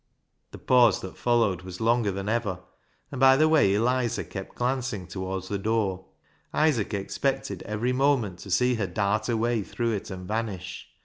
The pause that followed was longer than ever, and by the way Eliza kept glancing towards the door, Isaac expected every moment to see her dart away through it and vanish.